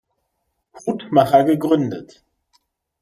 Hutmacher gegründet.